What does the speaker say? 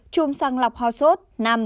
một chùm sàng lọc hòa sốt năm